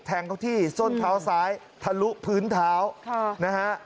แทงเขาที่ส้นเท้าซ้ายทะลุพื้นเท้านะฮะ